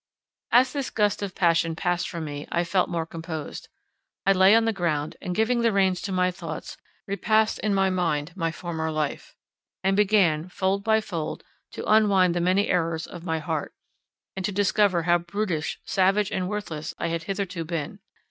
As this gust of passion passed from me, I felt more composed. I lay on the ground, and giving the reins to my thoughts, repassed in my mind my former life; and began, fold by fold, to unwind the many errors of my heart, and to discover how brutish, savage, and worthless I had hitherto been.